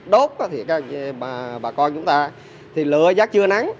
đốt thì bà con chúng ta thì lựa giác chưa nắng